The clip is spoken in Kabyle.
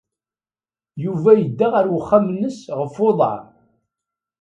Yuba yedda ɣer uxxam-nnes ɣef uḍar.